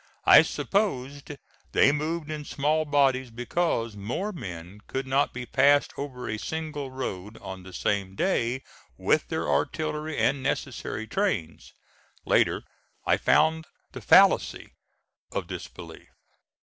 I supposed they moved in small bodies because more men could not be passed over a single road on the same day with their artillery and necessary trains. Later I found the fallacy of this belief.